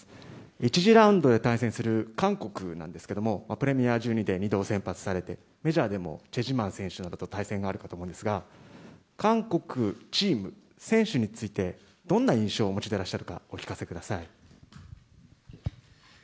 １次ラウンドで対戦する韓国なんですけれども、プレミア１２で２度先発されて、メジャーでもチェ・ジマン選手と対戦があるかと思うんですが、韓国チーム、選手について、どんな印象をお持ちでいらっしゃるか、お聞かせください。